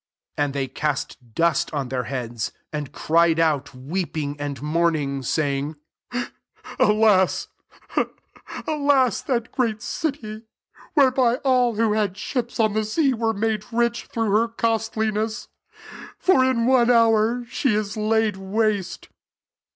19 And they cast dust on their heads, and cried out, weeping and mourning, saying, *Alas, alas, that great city, whereby all who had ships on the sea were made rich through her costliness ! for in one hour she is laid waste.'